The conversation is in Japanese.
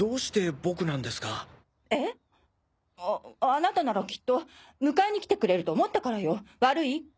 あなたならきっと迎えに来てくれると思ったからよ悪い？